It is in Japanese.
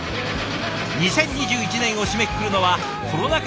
２０２１年を締めくくるのはコロナ禍